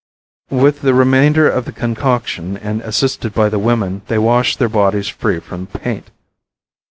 With the remainder of the concoction, and assisted by the women, they wash their bodies free from paint.